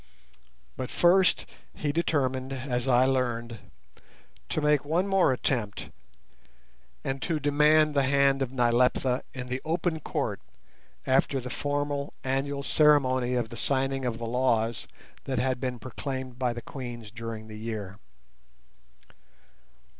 But first he determined, as I learned, to make one more attempt and to demand the hand of Nyleptha in the open Court after the formal annual ceremony of the signing of the laws that had been proclaimed by the Queens during the year.